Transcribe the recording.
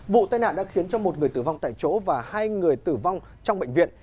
vụ tai nạn đã khiến cho một người tử vong tại chỗ và hai người tử vong trong bệnh viện